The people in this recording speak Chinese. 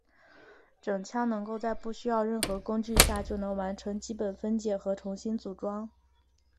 整枪能够在不需任何工具下就能完成基本分解和重新组装。